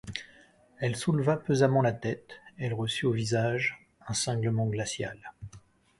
Elle souleva pesamment la tête, elle reçut au visage un cinglement glacial.